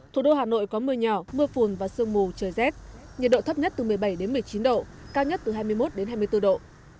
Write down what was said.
thủ đô hà nội có mưa nhỏ mưa phùn và sương mù trời rét nhiệt độ thấp nhất từ một mươi bảy đến một mươi chín độ cao nhất từ hai mươi một đến hai mươi bốn độ